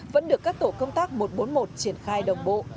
vẫn được các tổ công tác một trăm bốn mươi một triển khai đồng bộ